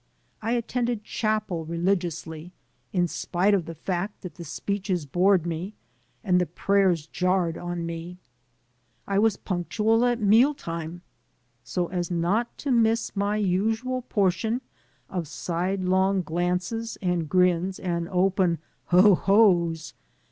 I attended chapel religiously, in spite of the fact that the speeches bored me and the prayers jarred on me. I was pimctual at meal time so as not to miss my usual portion of sidelong glances and grins and open ho hos.